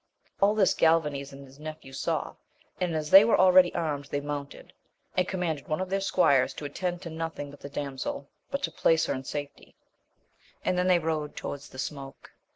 All this Galvanes and his nephew saw, and as they were already armed they mounted, and com manded one of their squires to attend to nothing but the damsel, but to place her in safety ; and then they rode towards the smoke.